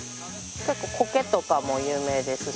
結構コケとかも有名ですし。